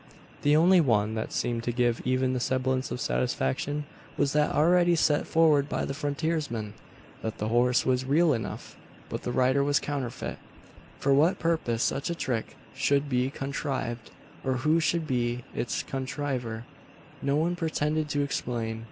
The only one, that seemed to give even the semblance of satisfaction, was that already set forward by the frontiersman that the horse was real enough, but the rider was a counterfeit. For what purpose such a trick should be contrived, or who should be its contriver, no one pretended to explain.